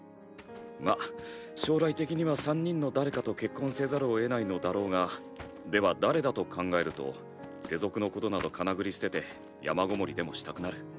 まあ将来的には三人の誰かと結婚せざるをえないのだろうがでは誰だと考えると世俗のことなどかなぐり捨てて山ごもりでもしたくなる。